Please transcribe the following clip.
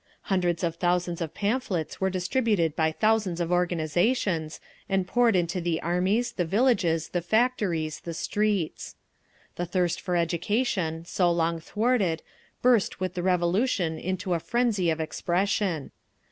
Hundreds of thousands of pamphlets were distributed by thousands of organisations, and poured into the armies, the villages, the factories, the streets. The thirst for education, so long thwarted, burst with the Revolution into a frenzy of expression.